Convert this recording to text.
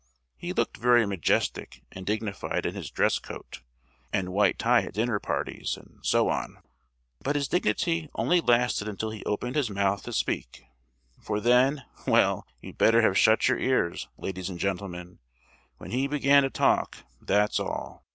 He looked very majestic and dignified in his dress coat and white tie at dinner parties, and so on; but his dignity only lasted until he opened his mouth to speak; for then—well, you'd better have shut your ears, ladies and gentlemen, when he began to talk—that's all!